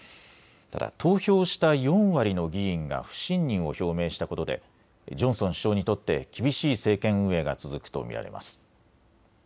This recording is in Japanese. ただ投票した４割の議員が不信任を表明したことでジョンソン首相にとって厳しい政権運営が続くと見られます。